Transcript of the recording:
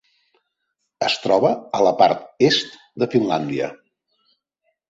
Es troba a la part est de Finlàndia.